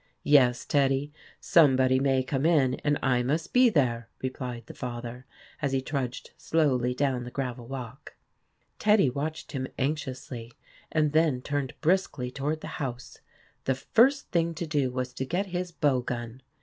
" Yes, Teddy; somebody may come in, and I must be there," re plied the father, as he trudged slowly down the gravel walk. Teddy watched him anxiously, and then turned briskly toward the house. The first thing to do was to get his bow gun.